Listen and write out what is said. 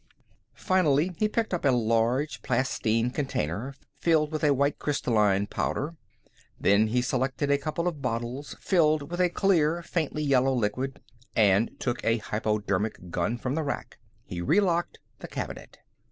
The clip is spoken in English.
Finally he picked a large plastine container filled with a white, crystalline powder. Then he selected a couple of bottles filled with a clear, faintly yellow liquid, and took a hypodermic gun from the rack. He relocked the cabinet.